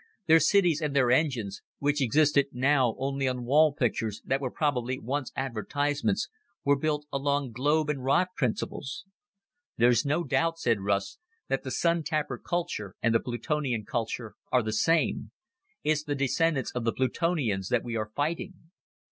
Their cities and their engines which existed now only on wall pictures that were probably once advertisements were built along globe and rod principles. "There's no doubt," said Russ, "that the Sun tapper culture and the Plutonian culture are the same. It's the descendants of the Plutonians that we are fighting."